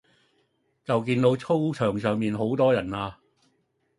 就見到操場上面有好多人呀